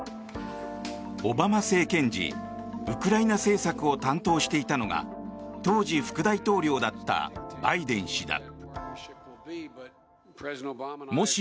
オバマ政権時、ウクライナ政策を担当していたのが当時、副大統領だったバイデン氏だ。